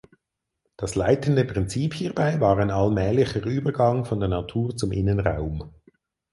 Das leitende Prinzip hierbei war ein allmählicher Übergang von der Natur zum Innenraum.